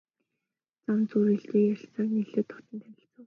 Зам зуур элдвийг ярилцсаар нэлээд дотно танилцав.